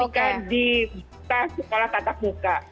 bukan dibuka sekolah tatap muka